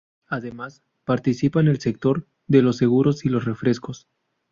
Además participa en el sector de los seguros y los refrescos.